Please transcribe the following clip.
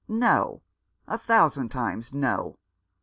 No, a thousand times no